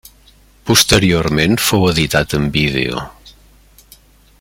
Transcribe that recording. Posteriorment fou editat en vídeo.